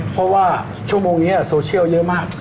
เพราะว่าชั่วโมงนี้โซเชียลเยอะมาก